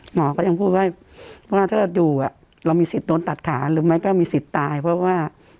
หมอก็ยังพูดว่าถ้าอยู่เรามีสิทธิ์โดนตัดขาหรือไม่ก็มีสิทธิ์ตายเพราะว่า